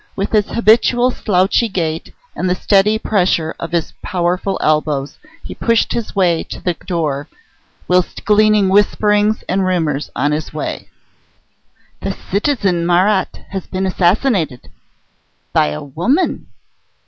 With his habitual slouchy gait and the steady pressure of his powerful elbows, he pushed his way to the door, whilst gleaning whisperings and rumours on his way. "The citizen Marat has been assassinated." "By a woman."